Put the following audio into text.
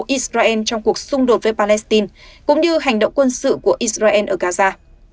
ông trump có thể nhận được nhiều thông tin về cuộc xung đột với palestine cũng như hành động quân sự của israel ở gaza